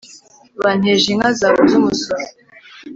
banteje inka zabuze umusoro